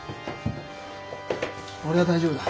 俺は大丈夫だ。